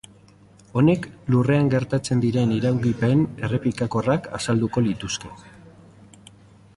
Honek Lurrean gertatzen diren iraungipen errepikakorrak azalduko lituzke.